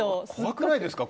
怖くないですか